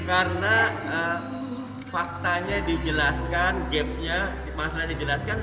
karena faktanya dijelaskan gap nya masalah dijelaskan